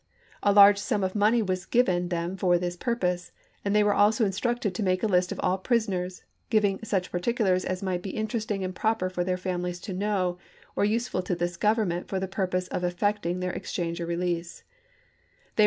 A large sum of money was given them for this purpose; and they were also instructed to make a list of all prisoners, giving " such particulars as might be interesting and proper for their families to know, or useful to this Government for the purpose of canby's effecting their exchange or release"; they were p?